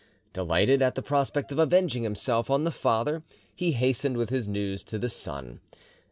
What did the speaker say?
Delighted at the prospect of avenging himself on the father, he hastened with his news to the son.